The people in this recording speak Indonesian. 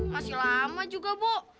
masih lama juga bu